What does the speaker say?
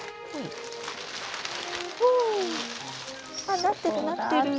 あなってるなってる！